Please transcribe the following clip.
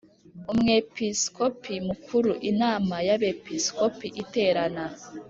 Umwepisikopi Mukuru Inama y Abepiskopi iterana